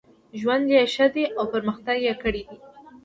ژوند یې ښه دی او پرمختګ یې کړی دی.